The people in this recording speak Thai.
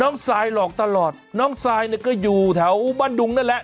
น้องไซด์หลอกตลอดน้องไซด์ก็อยู่แถวบ้านดุงนั่นแหละ